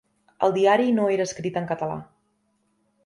El diari no era escrit en català.